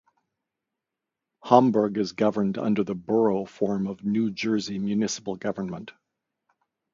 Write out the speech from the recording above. Hamburg is governed under the Borough form of New Jersey municipal government.